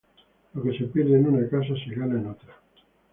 Lo que se pierde en una casa se gana en otra.